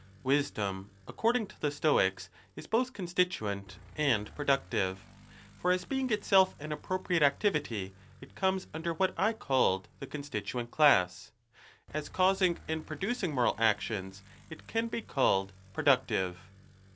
Wisdom, according fto the Stoics, is both constituent and productive; I for as being itself an appropriate activity it K Under what I called the constituent class ; as causing and producing moral actions, it can be called pro ductive.